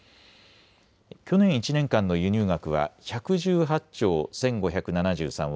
去年１年間の輸入額は１１８兆１５７３億